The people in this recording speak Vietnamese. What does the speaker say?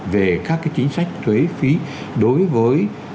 về các chính sách thuế phí đối với